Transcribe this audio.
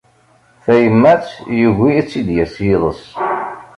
Tayemmat, yugi ad tt-id-yas yiḍes.